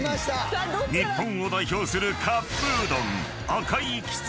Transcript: ［日本を代表するカップうどん］